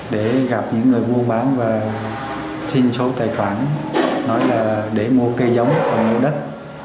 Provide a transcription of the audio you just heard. để gặp những người buôn bán và xin số tài khoản nói là để mua cây giống và mua đất